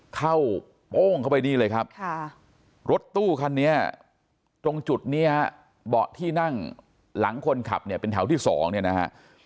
โป้งเข้าไปนี่เลยครับรถตู้คันนี้ตรงจุดนี้ฮะเบาะที่นั่งหลังคนขับเนี่ยเป็นแถวที่สองเนี่ยนะฮะ